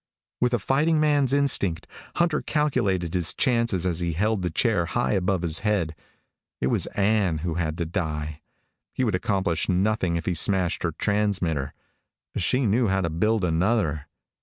With a fighting man's instinct, Hunter calculated his chances as he held the chair high above his head. It was Ann who had to die. He would accomplish nothing if he smashed her transmitter. She knew how to build another.